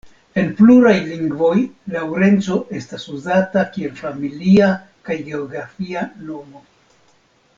En pluraj lingvoj Laŭrenco estas uzata kiel familia kaj geografia nomo.